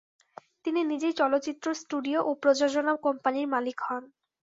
তিনি নিজেই চলচ্চিত্র স্টুডিও ও প্রযোজনা কোম্পানির মালিক হন।